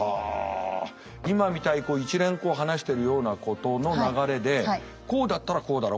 今みたいに一連こう話してるようなことの流れで「こうだったらこうだろ」